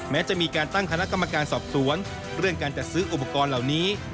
แม้จะมีการตั้งคณะกรรมการสอบสวนเรื่องการจัดซื้ออุปกรณ์เหล่านี้